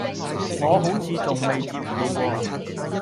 我好似仲未摺被喎